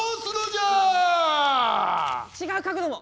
違う角度も！